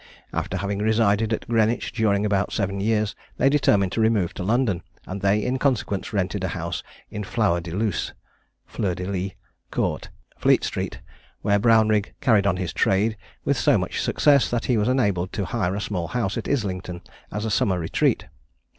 After having resided at Greenwich during about seven years, they determined to remove to London, and they, in consequence, rented a house in Flower de Luce (Fleur de Lys) Court, Fleet street, where Brownrigg carried on his trade with so much success, that he was enabled to hire a small house at Islington as a summer retreat.